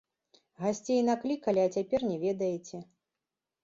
Гасцей наклікалі, а цяпер не ведаеце.